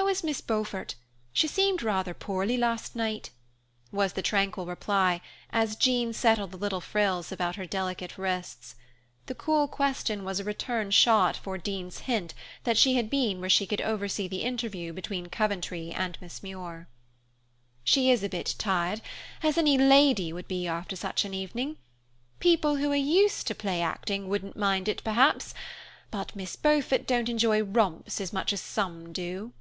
How is Miss Beaufort? She seemed rather poorly last night" was the tranquil reply, as Jean settled the little frills about her delicate wrists. The cool question was a return shot for Dean's hint that she had been where she could oversee the interview between Coventry and Miss Muir. "She is a bit tired, as any lady would be after such an evening. People who are used to play acting wouldn't mind it, perhaps, but Miss Beaufort don't enjoy romps as much as some do."